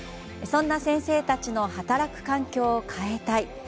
そんな先生たちの働く環境を変えたい。